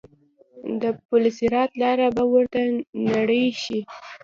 د پل صراط لاره به ورته نرۍ شي.